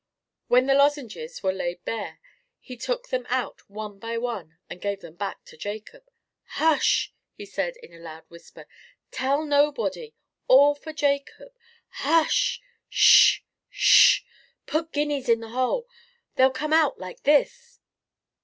When the lozenges were laid bare, he took them out one by one, and gave them to Jacob. "Hush!" he said, in a loud whisper, "Tell nobody—all for Jacob—hush—sh—sh! Put guineas in the hole—they'll come out like this!"